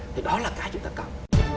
thì đó là cái chúng ta cần